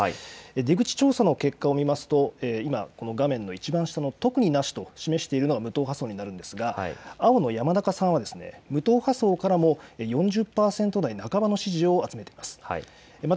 出口調査の結果を見ますと画面のいちばん下の特になしと示しているのが無党派層ですが青の山中さんは無党派層からも４０％台半ばの支持を集めています。